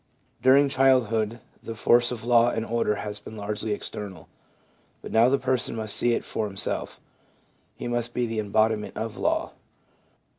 During childhood the force of law and order has been largely external ; but now the person must see it for himself — he must be the embodiment of law.